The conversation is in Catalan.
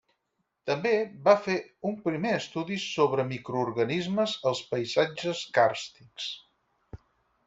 També va fer un primer estudi sobre microorganismes als paisatges càrstics.